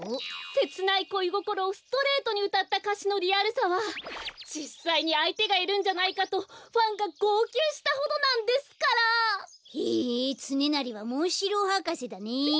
せつないこいごころをストレートにうたったかしのリアルさはじっさいにあいてがいるんじゃないかとファンがごうきゅうしたほどなんですから！へえつねなりはモンシローはかせだね。